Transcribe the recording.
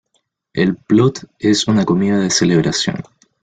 El ""blot"" es una comida de celebración.